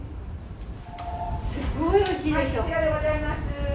すっごいおいしいでしょう？